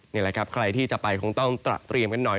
นี่แหละครับใครที่จะไปคงต้องตระเตรียมกันหน่อย